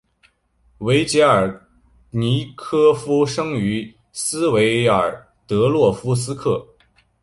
维捷尔尼科夫生于斯维尔德洛夫斯克。